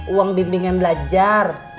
uang bimbingan belajar